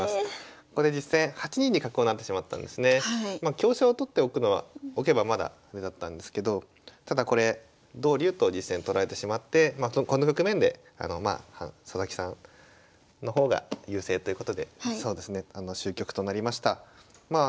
香車を取っておけばまだあれだったんですけどただこれ同竜と実戦取られてしまってこの局面で佐々木さんの方が優勢ということでそうですね終局となりました。